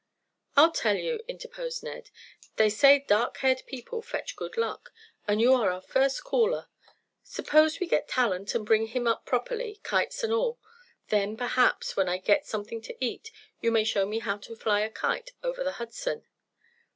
"I'll tell you," interposed Ned, "they say dark haired people fetch good luck, and you are our first caller. Suppose we get Talent, and bring him up properly, kites and all. Then perhaps, when I get something to eat, you may show me how to fly a kite over the Hudson."